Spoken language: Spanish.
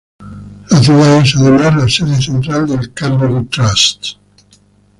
La ciudad es, además, la sede central de Carnegie Trusts.